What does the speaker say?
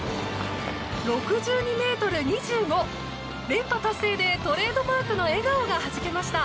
連覇達成で、トレードマークの笑顔がはじけました。